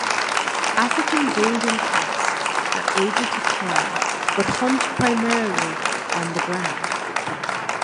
African golden cats are able to climb, but hunt primarily on the ground.